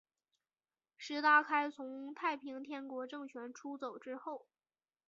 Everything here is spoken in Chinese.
石达开从太平天国政权出走之后。